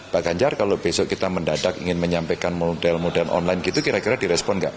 pak ganjar kalau besok kita mendadak ingin menyampaikan model model online gitu kira kira direspon nggak